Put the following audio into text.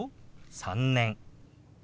「３年」。